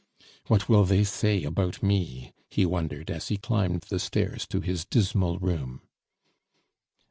"What will they say about me?" he wondered, as he climbed the stairs to his dismal room.